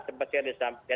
seperti yang disampaikan